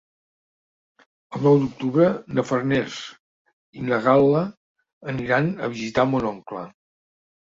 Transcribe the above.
El nou d'octubre na Farners i na Gal·la aniran a visitar mon oncle.